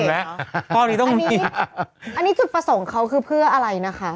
อันนี้ถุดประสงค์เขาคือเพื่ออะไรนะคะ